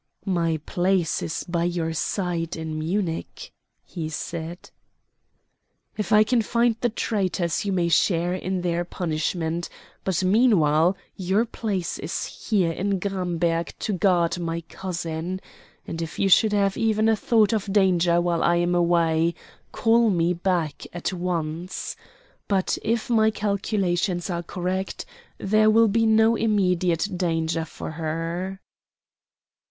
"My place is by your side in Munich," he said. "If I can find the traitors, you may share in their punishment; but meanwhile your place is here in Gramberg to guard my cousin. And if you should have even a thought of danger while I am away, call me back at once. But if my calculations are correct there will be no immediate danger for her."